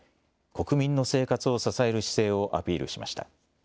国民の生活を支える姿勢をアピールしました。